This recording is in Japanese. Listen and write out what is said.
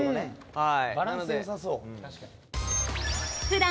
はい。